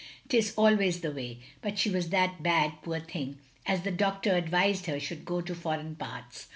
'T is always the way. But she was that bad, poor thing, as the doctor advised her should go to foreign parts.